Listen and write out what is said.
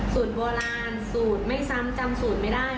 สูตรโบราณสูตรไม่ซ้ำจำสูตรไม่ได้